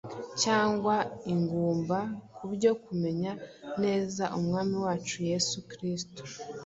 cyangwa ingumba ku byo kumenya neza Umwami wacu Yesu Kristo